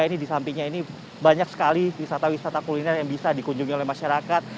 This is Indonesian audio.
ini di sampingnya ini banyak sekali wisata wisata kuliner yang bisa dikunjungi oleh masyarakat